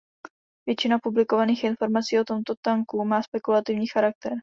Většina publikovaných informací o tomto tanku má spekulativní charakter.